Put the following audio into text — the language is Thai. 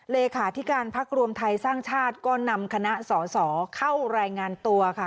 เลขาธิการพักรวมไทยสร้างชาติก็นำคณะสอสอเข้ารายงานตัวค่ะ